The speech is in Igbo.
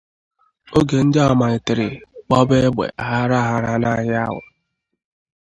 oge ndị ahụ màlitere gbaba egbè aghara aghara n'ahịa ahụ.